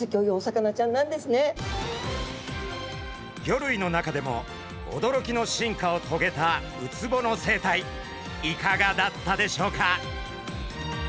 魚類の中でも驚きの進化をとげたウツボの生態いかがだったでしょうか？